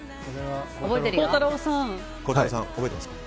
孝太郎さん、覚えてますか？